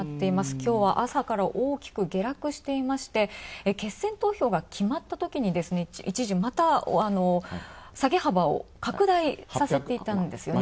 きょうは朝から大きく下落していまして決選投票が決まったときに一時、また下げ幅を拡大させていたんですよね。